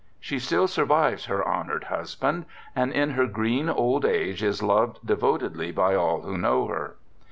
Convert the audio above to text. (She still survives her honoured husband, and in her green old age is loved devotedly by all who know her.)